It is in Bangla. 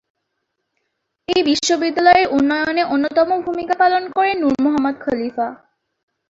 এই বিদ্যালয়ের উন্নয়নে অন্যতম ভূমিকা পালন করেন, নূর মোহাম্মদ খলিফা।।